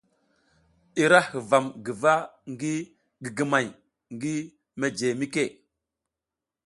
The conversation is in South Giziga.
I ra huvam guva ngi gigimay ngi mejemike.